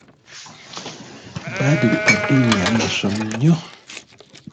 Badru eddiini yali musomi nnyo.